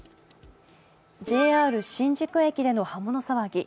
ＪＲ新宿駅での刃物騒ぎ。